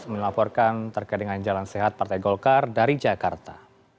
melaporkan terkait dengan jalan sehat partai golkar dari jakarta